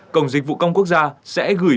cổng dịch vụ công quốc gia sẽ gửi